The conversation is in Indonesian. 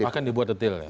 akan dibuat detail ya